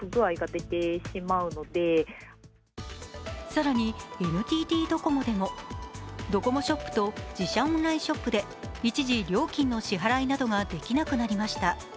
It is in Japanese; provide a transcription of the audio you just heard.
更に、ＮＴＴドコモでもドコモショップと自社オンラインショップで一時料金の支払いなどができなくなりました。